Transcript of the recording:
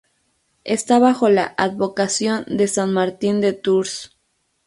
Está bajo la advocación de San Martín de Tours.